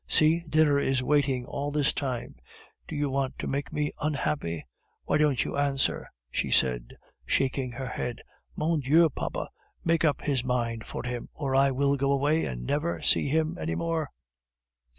See, dinner is waiting all this time. Do you want to make me unhappy? Why don't you answer?" she said, shaking his hand. "Mon Dieu! papa, make up his mind for him, or I will go away and never see him any more."